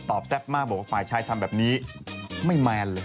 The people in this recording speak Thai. แซ่บมากบอกว่าฝ่ายชายทำแบบนี้ไม่แมนเลย